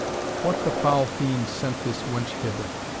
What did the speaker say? "What the foul fiend sent this wench hither?